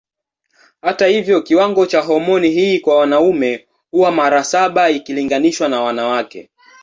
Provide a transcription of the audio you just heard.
Hata hivyo kiwango cha homoni hii kwa wanaume huwa mara saba ikilinganishwa na wanawake.